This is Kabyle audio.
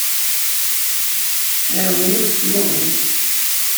Tɛawen yiwet n tmuḍint.